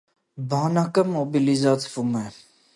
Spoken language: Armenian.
Բանակը մոբիլիզացվում է։